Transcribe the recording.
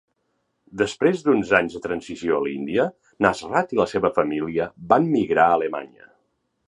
Després d'uns anys de transició a l'Índia, Nasrat i la seva família van migrar a Alemanya.